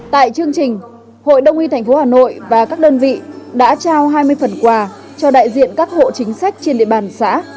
tại chương trình hội đồng y thành phố hà nội và các đơn vị đã trao hai mươi phần quà cho đại diện các hộ chính sách trên địa bàn xã